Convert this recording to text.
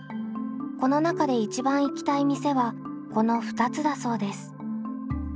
この中で一番行きたい店はこの２つだそうです。